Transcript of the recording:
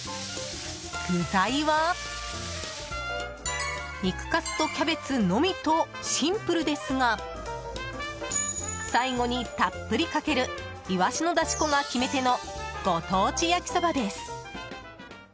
具材は、肉かすとキャベツのみとシンプルですが最後にたっぷりかけるイワシのだし粉が決め手のご当地焼きそばです。